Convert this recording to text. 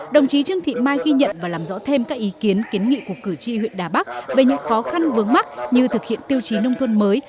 đồng chí trương thị mai ghi nhận và làm rõ thêm các ý kiến kiến nghị của cử tri huyện đà bắc về những khó khăn vướng mắt như thực hiện tiêu chí nông thôn mới